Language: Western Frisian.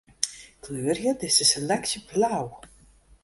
Kleurje dizze seleksje blau.